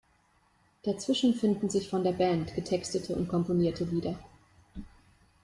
Dazwischen finden sich von der Band getextete und komponierte Lieder.